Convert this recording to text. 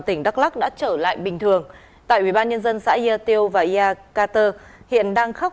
tỉnh đắk lắc đã trở lại bình thường tại ủy ban nhân dân xã gia tiêu và gia carter hiện đang khắc